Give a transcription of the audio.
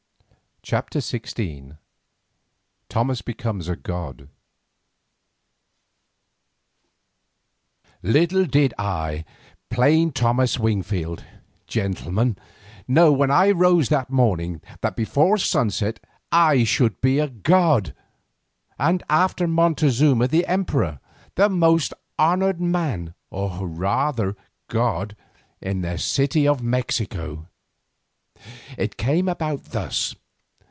CHAPTER XVI THOMAS BECOMES A GOD Little did I, plain Thomas Wingfield, gentleman, know, when I rose that morning, that before sunset I should be a god, and after Montezuma the Emperor, the most honoured man, or rather god, in the city of Mexico. It came about thus.